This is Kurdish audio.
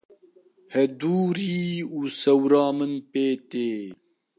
hedûrî û sewra min pê tê.